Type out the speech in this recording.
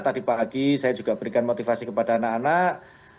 tadi pagi saya juga berikan motivasi kepada anak anak